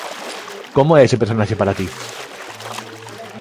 Como é ese personaxe para ti?